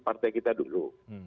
partai kita dulu